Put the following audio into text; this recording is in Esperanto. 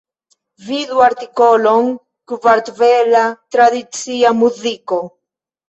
Vidu artikolon Kartvela tradicia muziko.